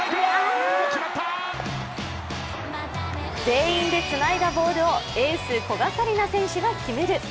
全員でつないだボールをエース・古賀紗理那選手が決める。